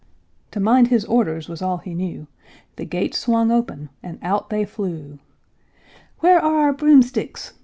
To mind his orders was all he knew; The gates swung open, and out they flew "Where are our broomsticks?"